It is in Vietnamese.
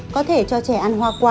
có thể cho trẻ ăn hoa quả